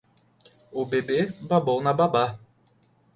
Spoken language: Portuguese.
O bebê babou na babá